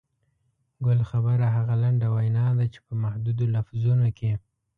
ګل خبره هغه لنډه وینا ده چې په محدودو لفظونو کې.